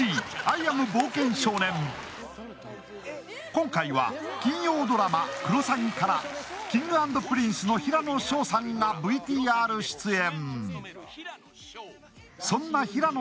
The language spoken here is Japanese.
今回は金曜ドラマ「クロサギ」からＫｉｎｇ＆Ｐｒｉｎｃｅの平野紫耀さんがＶＴＲ出演。